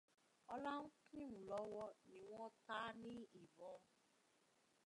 Ọlá ń kírun lọ́wọ́ ni wọ́n ta ní ìbọn.